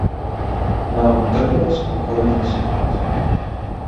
Нам трэба спакойна спаць.